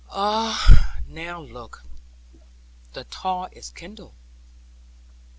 Ah, now look! The tar is kindled.'